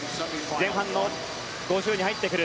前半の５０に入ってくる。